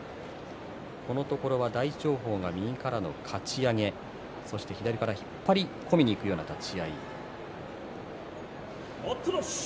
このところは大翔鵬の右からのかち上げ、左から引っ張り込むような立ち合いです。